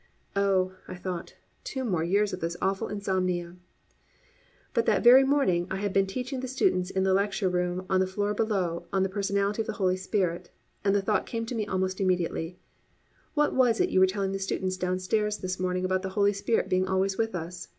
"Oh," I thought, "two more years of this awful insomnia." But that very morning I had been teaching the students in the lecture room on the floor below on the Personality of the Holy Spirit, and the thought came to me almost immediately, "What was that you were telling the students down stairs this morning about the Holy Spirit being always with us?"